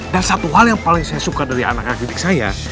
dan satu hal yang paling saya suka dari anak anak gedik saya